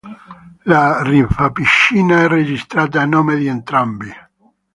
La rifampicina è registrata a nome di entrambi.